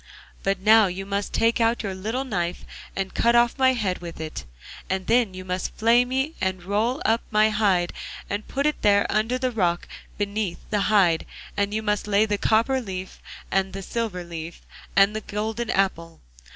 But now you must take out your little knife and cut off my head with it, and then you must flay me and roll up my hide and put it there under the rock, and beneath the hide you must lay the copper leaf, and the silver leaf, and the golden apple.